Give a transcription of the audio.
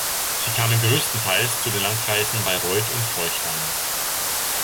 Sie kamen größtenteils zu den Landkreisen Bayreuth und Forchheim.